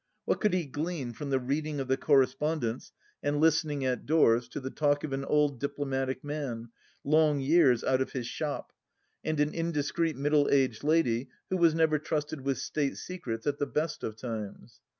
What could he glean from the read ing of the correspondence and listening at doors to the talk of an old diplomatic man, long years out of his " shop," and an indiscreet middle aged lady who was never trusted with state secrets, at the best of times